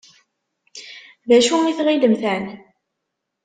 D acu i tɣilemt εni?